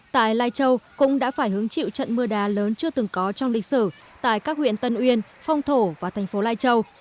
tại lai châu cũng đã phải hứng chịu trận mưa đá lớn chưa từng có trong lịch sử tại các huyện tân uyên phong thổ và thành phố lai châu